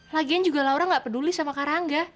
lagian juga laura nggak peduli sama karangga